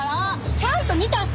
ちゃんと見たし。